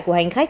của hành khách